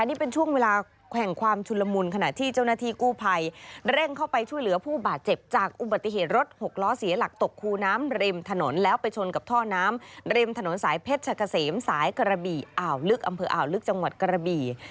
นี่เป็นช่วงเวลาแกว่งความชุนละมุนขณะที่เจ้าหน้าที่กู้ภัยเร่งเข้าไปช่วยเหลือผู้บาดเจ็บจากอุบัติเหตุรถหกล้อเสียหลักตกคูน้ำริมถนนแล้วไปชนกับท่อน้ำริมถนนสายเพชรชะกะเสมสายกระบี่อ่าวลึกอำเภออ่าวลึกจังหวัดกระบี่